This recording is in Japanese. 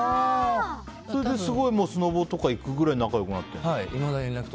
それですごいスノボとか行くぐらい仲良く？